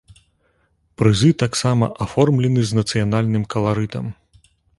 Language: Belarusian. Прызы таксама аформлены з нацыянальным каларытам.